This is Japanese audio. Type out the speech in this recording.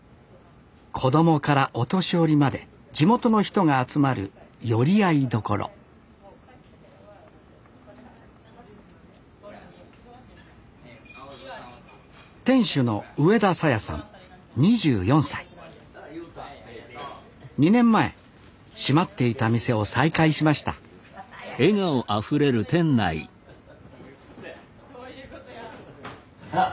子供からお年寄りまで地元の人が集まる寄り合い所店主の２年前閉まっていた店を再開しましたあっ